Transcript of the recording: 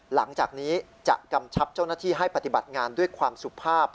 หลังจากนี้จะกำชับเจ้าหน้าที่ให้ปฏิบัติงานด้วยความสุภาพ